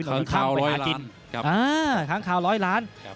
ค้างคาวร้อยล้านครับอ่าค้างคาวร้อยล้านครับ